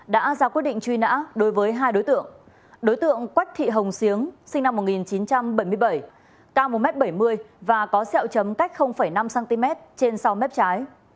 đã ra quyết định truy nã đối với hai đối tượng đối tượng quách thị hồng xíếng sinh năm một nghìn chín trăm bảy mươi bảy cao một m bảy mươi và có sẹo chấm cách năm cm trên sau mép trái